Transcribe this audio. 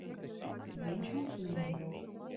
Viņš mūs mīl.